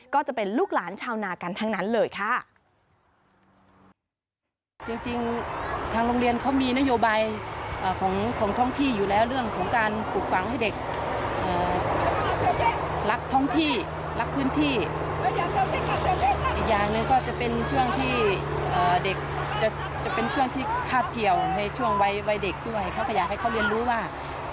ก็จะเป็นลูกหลานชาวนากันทั้งนั้นเลยค่ะ